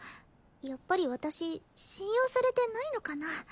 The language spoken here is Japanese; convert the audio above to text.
やっぱり私信用されてないのかな？